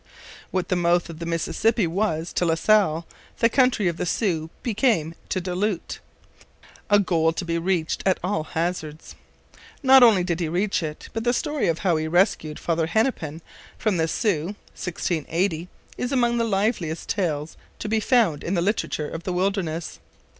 What the mouth of the Mississippi was to La Salle the country of the Sioux became to Du Lhut a goal to be reached at all hazards. Not only did he reach it, but the story of how he rescued Father Hennepin from the Sioux (1680) is among the liveliest tales to be found in the literature of the wilderness.